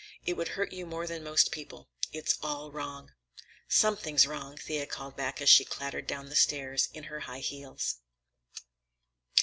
It would hurt you more than most people. It's all wrong." "Something's wrong," Thea called back as she clattered down the stairs in her high heels.